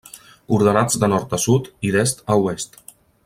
Ordenats de nord a sud i d'est a oest.